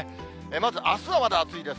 まずあすはまだ暑いです。